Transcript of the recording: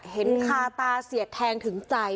เห็นคาตาเสียดแทงถึงใจ